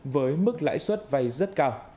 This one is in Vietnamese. với mức lãi suất vay rất cao